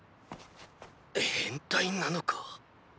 変態なのか？